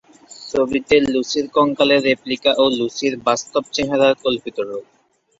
ছবিতে লুসির কঙ্কালের রেপ্লিকা ও লুসির বাস্তব চেহারার কল্পিত রূপ।